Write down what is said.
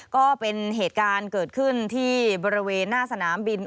ก็เป็นเหตุการณ์เกิดขึ้นที่บริเวณหน้าสนามบิน